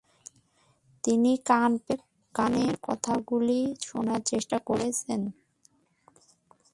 তিনি কান পেতে গানের কথাগুলি শোনার চেষ্টা করছেন।